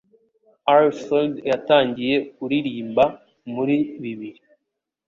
Ally Soudy yatangiye kuririmba muri bibiri